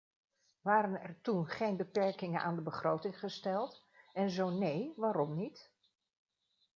Waren er toen geen beperkingen aan de begroting gesteld, en zo nee, waarom niet?